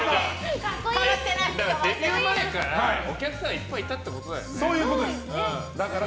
デビュー前からお客さんいっぱいいたってことだよね。